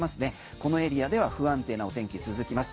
このエリアでは不安定なお天気続きます。